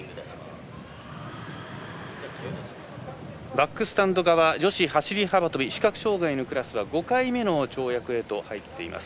バックスタンド側女子走り幅跳び視覚障がいのクラスは５回目の跳躍へと入っています。